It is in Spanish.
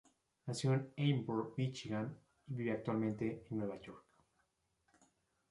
Nació en Ann Arbor, Michigan y vive actualmente en Nueva York.